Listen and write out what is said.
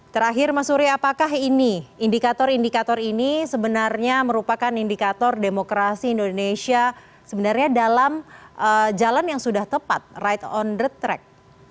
terakhir mas uri apakah ini indikator indikator ini sebenarnya merupakan indikator demokrasi indonesia sebenarnya dalam jalan yang sudah tepat right on the track